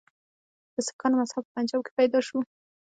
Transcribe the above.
د سکانو مذهب په پنجاب کې پیدا شو.